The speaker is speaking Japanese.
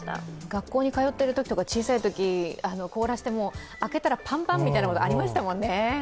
学校に通っているときとか小さいとき、凍らせて、開けたらパンパンみたいなことありましたもんね。